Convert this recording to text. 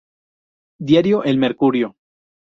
Diario "El Mercurio".